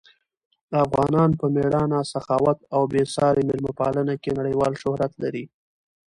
افغانان په مېړانه، سخاوت او بې ساري مېلمه پالنه کې نړیوال شهرت لري.